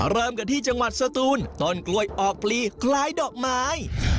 เริ่มกันที่จังหวัดสตูนต้นกล้วยออกปลีคล้ายดอกไม้